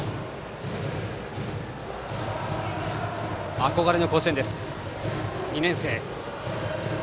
憧れの甲子園です、２年生。